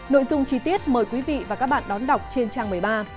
nội dung chi tiết mời quý vị và các bạn đón đọc trên trang một mươi ba